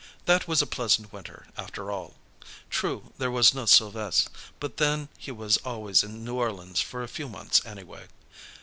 That was a pleasant winter, after all. True, there was no Sylves', but then he was always in New Orleans for a few months any way.